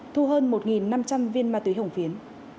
thu hơn một năm trăm linh viên ma túy hồng phiến